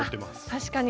確かに。